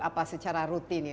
apa secara rutin ya